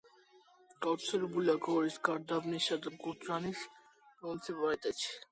გავრცელებულია გორის, გარდაბნისა და გურჯაანის მუნიციპალიტეტებში.